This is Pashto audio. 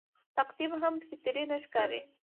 تقدم هم فطري نه ښکاري.